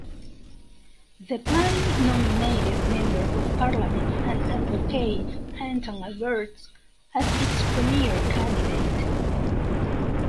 The party nominated Member of Parliament and advocate Anton Alberts as its premier candidate.